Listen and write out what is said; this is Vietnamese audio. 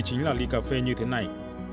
chính là ly cà phê như thế này